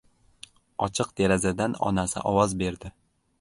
Ochiq derazadan onasi ovoz berdi.